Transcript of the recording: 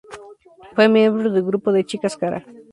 Fue miembro del grupo de chicas Kara.